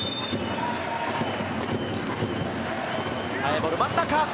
ボール、真ん中。